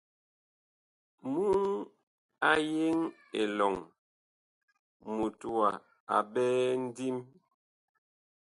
Muŋ a yeŋ elɔŋ mut wa a ɓɛɛ ndim.